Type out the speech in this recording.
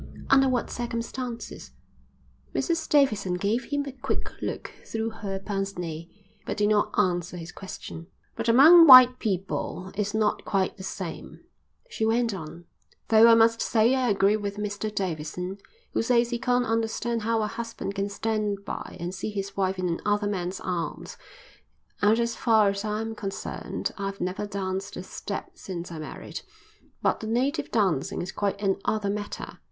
"Under what circumstances?" Mrs Davidson gave him a quick look through her pince nez, but did not answer his question. "But among white people it's not quite the same," she went on, "though I must say I agree with Mr Davidson, who says he can't understand how a husband can stand by and see his wife in another man's arms, and as far as I'm concerned I've never danced a step since I married. But the native dancing is quite another matter.